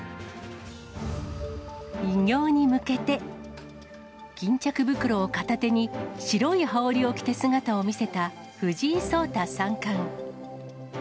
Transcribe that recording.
偉業に向けて、巾着袋を片手に、白い羽織りを着て姿を見せた藤井聡太三冠。